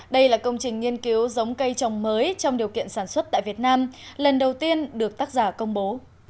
đây là công trình nghiên cứu giống cây trồng mới trong điều kiện sản xuất tại việt nam lần đầu tiên được tác giả công bố